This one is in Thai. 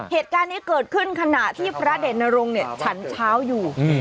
เหตุการณ์นี้เกิดขึ้นขณะที่พระเด่นนรงค์ฉันเช้าอยู่